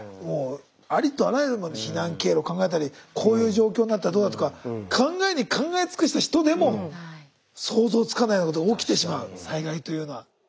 もうありとあらゆる避難経路考えたりこういう状況になったらどうだとか考えに考え尽くした人でも想像つかないようなことが起きてしまう災害というのは。